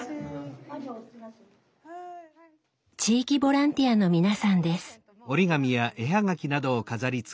地域ボランティアの皆さんです。